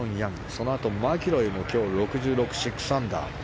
そのあとマキロイも今日、６６で６アンダー。